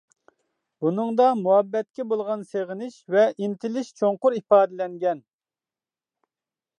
بۇنىڭدا مۇھەببەتكە بولغان سېغىنىش ۋە ئىنتىلىش چوڭقۇر ئىپادىلەنگەن.